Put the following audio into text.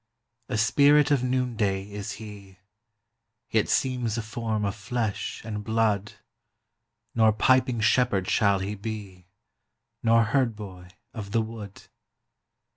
A Spirit of noonday is he, Yet seems a form of flesh and blood; Nor piping shepherd shall he be, 25 Nor herd boy of the wood.